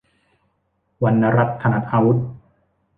วรรณรัตน์ ถนัดอาวุธ